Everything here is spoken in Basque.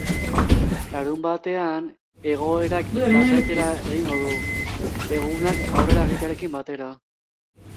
Larunbatean, egoerak lasaitzera egingo du, egunak aurrera egitearekin batera.